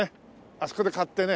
あそこで買ってね。